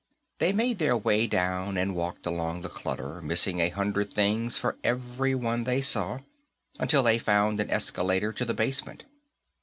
They made their way down and walked among the clutter, missing a hundred things for every one they saw, until they found an escalator to the basement.